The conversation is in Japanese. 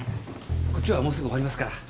こっちはもうすぐ終わりますから。